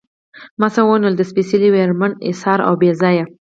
ما څه ونه ویل، د سپېڅلي، ویاړمن، اېثار او بې ځایه.